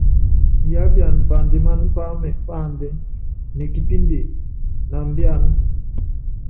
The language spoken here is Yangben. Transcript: Yiápiana pandimáná páámɛ páandɛ́, nekipìnde, náambíana.